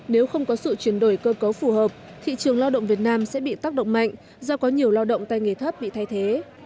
nếu không có sự chuyển đổi cơ cấu phù hợp thị trường lao động việt nam sẽ bị tác động mạnh do có nhiều lao động tay nghề thấp bị thay thế